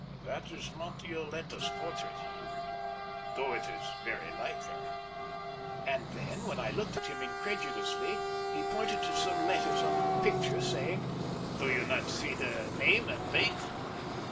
"This is not Yoletta's portrait," he replied, "though it is very like her;" and then, when I looked at him incredulously, he pointed to some letters under the picture, saying: "Do you not see the name and date?"